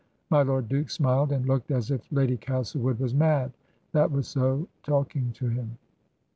My Lord Duke smiled and looked as if Lady Castlewood was mad, that was so talking to him.